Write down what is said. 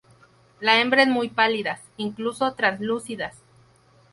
La hembra es muy pálidas, incluso translúcidas.